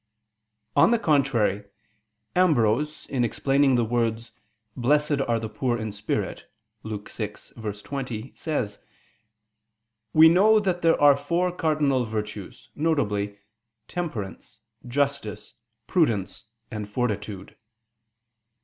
On the contrary, Ambrose in explaining the words, "Blessed are the poor in spirit" (Luke 6:20) says: "We know that there are four cardinal virtues, viz. temperance, justice, prudence, and fortitude."